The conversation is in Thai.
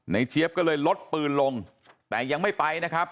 เจี๊ยบก็เลยลดปืนลงแต่ยังไม่ไปนะครับ